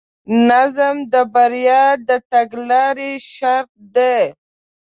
نظم د بریا د تګلارې شرط دی.